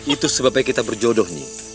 itu sebabnya kita berjodoh